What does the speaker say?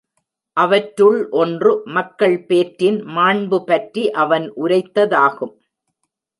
அவற்றுள் ஒன்று, மக்கள் பேற்றின் மாண்புபற்றி அவன் உரைத்ததாகும்.